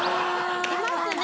いますね。